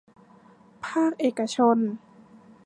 ภาคเอกชน